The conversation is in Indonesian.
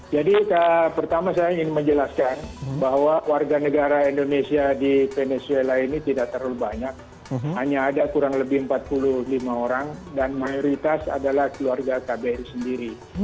jadi pertama saya ingin menjelaskan bahwa warga negara indonesia di venezuela ini tidak terlalu banyak hanya ada kurang lebih empat puluh lima orang dan mayoritas adalah keluarga kbr sendiri